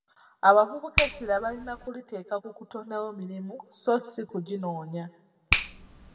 Abavubuka essira balina kuliteeka ku kutondawo mirimu sso si kuginoonya.